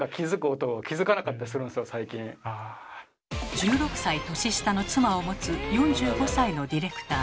１６歳年下の妻をもつ４５歳のディレクター。